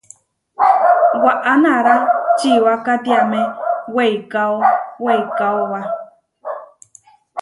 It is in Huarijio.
Waʼa nará čiwá katiáme weikáo weikáoba.